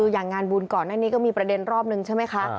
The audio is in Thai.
อย่างงานบุญก่อนก็มีประเด็นซะ